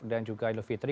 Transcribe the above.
dan juga ilmu fitri